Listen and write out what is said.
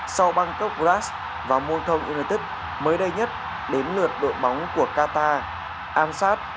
sau băng cốc brass và môi thông united mới đây nhất đến lượt đội bóng của qatar